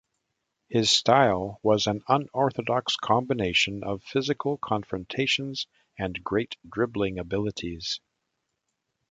His style was an unorthodox combination of physical confrontations and great dribbling abilities.